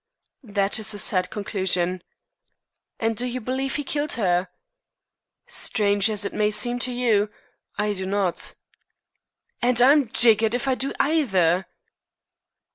"That is a sad conclusion." "And do you believe he killed her?" "Strange as it may seem to you, I do not." "And I'm jiggered if I do either."